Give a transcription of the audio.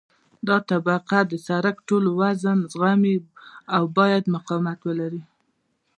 دا طبقه د سرک ټول وزن زغمي او باید مقاومت ولري